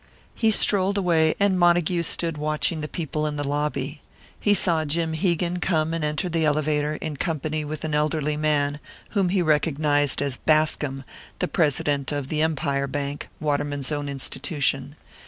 He strolled away, and Montague stood watching the people in the lobby. He saw Jim Hegan come and enter the elevator, in company with an elderly man whom he recognised as Bascom, the president of the Empire Bank, Waterman's own institution.